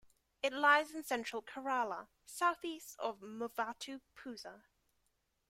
It lies in central Kerala, southeast of Muvattupuzha.